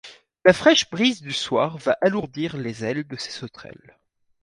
La fraîche brise du soir va alourdir les ailes de ces sauterelles.